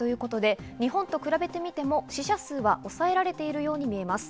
日本と比べてみても、死者数は抑えられているように見えます。